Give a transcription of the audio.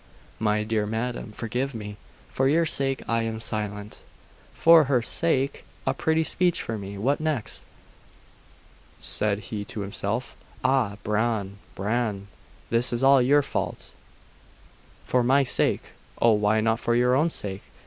'My dear madam, forgive me. For your sake I am silent.'.... 'For her sake! A pretty speech for me! What next?' said he to himself. 'Ah, Bran, Bran, this is all your fault!' 'For my sake! Oh, why not for your own sake?